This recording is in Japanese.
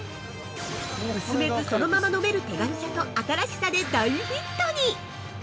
薄めず、そのまま飲める手軽さと新しさで、大ヒットに。